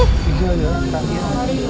bisa ya pak ibu